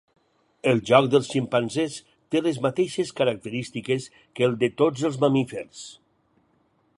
El joc dels ximpanzés té les mateixes característiques que el de tots els mamífers.